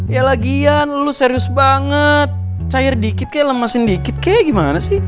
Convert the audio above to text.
yalah gian lo serius banget cair dikit kayak lemesin dikit kayak gimana sih